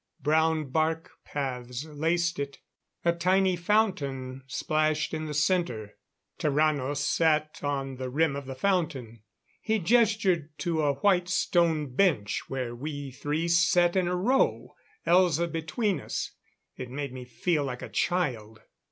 Brown bark paths laced it; a tiny fountain splashed in the center. Tarrano sat on the rim of the fountain; he gestured to a white stone bench where we three sat in a row, Elza between us. It made me feel like a child.